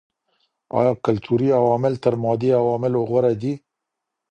آيا کلتوري عوامل تر مادي عواملو غوره دي؟